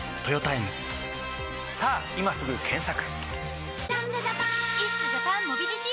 さぁ今すぐ検索！